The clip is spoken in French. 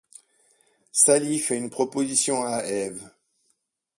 Sally fait une proposition à Eve.